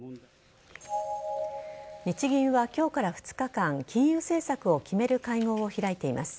日銀は、今日から２日間金融政策を決める会合を開いています。